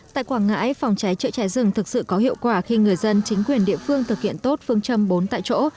tại quảng ngãi phòng cháy chữa cháy rừng thực sự có hiệu quả khi người dân chính quyền địa phương thực hiện tốt phương châm bốn tại chỗ